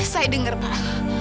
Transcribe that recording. saya dengar pak